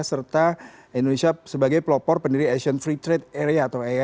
serta indonesia sebagai pelopor pendiri asian free trade area atau asia